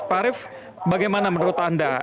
pak arief bagaimana menurut anda